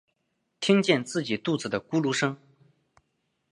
听见自己肚子的咕噜声